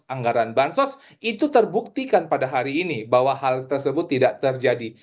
anggaran bansos itu terbuktikan pada hari ini bahwa hal tersebut tidak terjadi